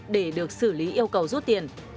để được xử lý yêu cầu rút tiền